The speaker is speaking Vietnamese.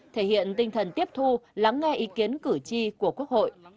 thể hiện tinh thần tiếp thu lắng nghe ý kiến cử tri của quốc hội